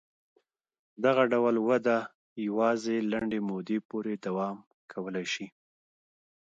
دغه ډول وده یوازې لنډې مودې پورې دوام کولای شي.